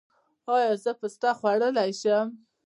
ایا زه پسته خوړلی شم؟